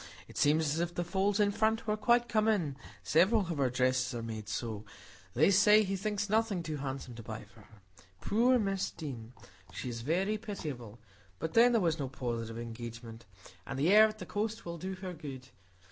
It seems as if the folds in front were quite come in; several of her dresses are made so,—they say he thinks nothing too handsome to buy for her. Poor Miss Deane! She is very pitiable; but then there was no positive engagement; and the air at the coast will do her good.